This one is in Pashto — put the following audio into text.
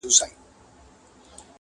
• وخت په وخت به یې پر کور کړلی پوښتني -